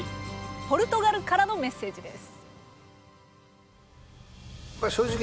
ポルトガルからのメッセージです。